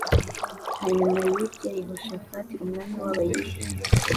hanyuma y ibyo yehoshafati umwami w abayuda